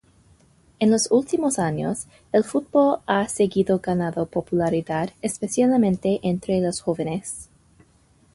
En los últimos años el fútbol ha seguido ganando popularidad, especialmente entre los jóvenes.